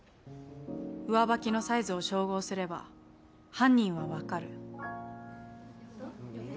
上履きのサイズを照合すれば犯人はわかるえっやった？